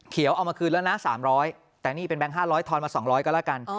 เขียวเอามาคืนแล้วนะ๓๐๐บาทแต่นี่เป็นแบงค์๕๐๐บาททอนมา๒๐๐บาทก็แล้วกัน